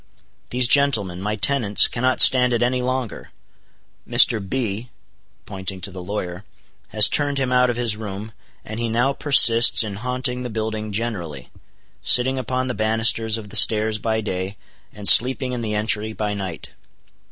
"These gentlemen, my tenants, cannot stand it any longer; Mr. B—" pointing to the lawyer, "has turned him out of his room, and he now persists in haunting the building generally, sitting upon the banisters of the stairs by day, and sleeping in the entry by night.